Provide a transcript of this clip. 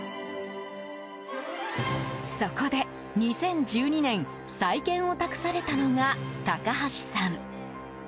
そこで２０１２年再建を託されたのが高橋さん。